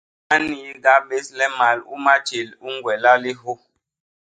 Ba nniiga bés le mal u matjél u ñgwela lihyô.